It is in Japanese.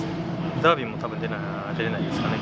ダービーもたぶん出れないですかね。